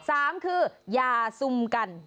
สามคืออย่าซุ่มกัน